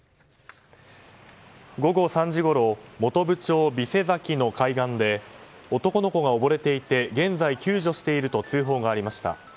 午後３時ごろ本部町備瀬崎の海岸で男の子が溺れていて現在救助していると通報がありました。